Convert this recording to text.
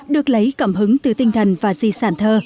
được lấy cảm hứng từ tinh thần và di sản thơ